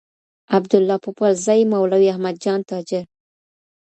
عبدالله پوپلزى مولوي احمدجان تاجر